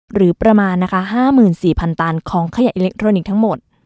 หรือประมาณนะคะ๕๔๐๐ตันของขยะอิเล็กทรอนิกส์ทั้งหมด